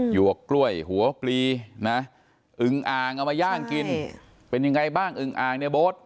หวกกล้วยหัวปลีนะอึงอ่างเอามาย่างกินเป็นยังไงบ้างอึงอ่างเนี่ยโบ๊ท